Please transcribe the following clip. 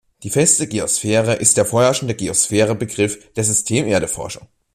Die feste Geosphäre ist der vorherrschende Geosphäre-Begriff der System-Erde-Forschung.